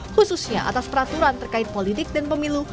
khususnya atas peraturan terkait politik dan pemilu